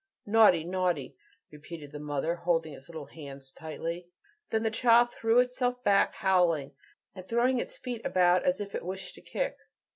"Naughty! naughty!" repeated the mother, holding its little hands tightly, while the child threw itself back, howling, and throwing its feet about as if it wished to kick.